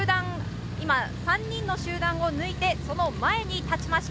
３人の集団を抜いてその前に立ちました。